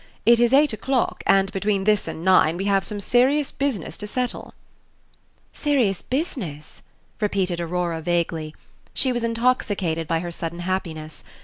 It is eight o'clock, and between this and nine we have some serious business to settle." "Serious business!" repeated Aurora, vaguely. She was intoxicated by her sudden happiness.